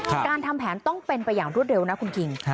การทำแผนต้องเป็นไปอย่างรวดเร็วนะคุณคิง